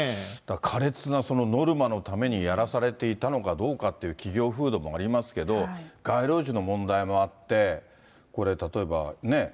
かれつなノルマのためにやらされていたのかどうかっていう企業風土もありますけど、街路樹の問題もあって、これ、例えばね。